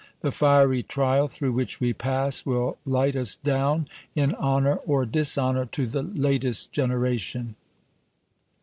The fiery trial through which we pass will light us down, in honor or dishonor, to the latest generation.